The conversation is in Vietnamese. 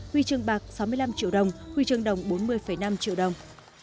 huy chương bạc sáu mươi năm triệu đồng huy chương đồng bốn mươi năm triệu đồng